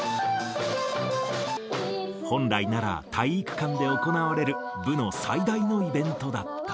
本来なら体育館で行われる、部の最大のイベントだった。